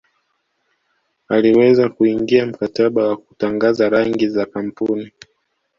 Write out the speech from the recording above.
aliweza kuingia mkataba wa kutangaza rangi za kampuni